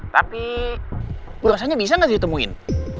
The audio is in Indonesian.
tapi bu rosanya bisa gak ditemuin